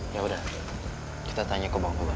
yaudah kita tanya ke bang kubar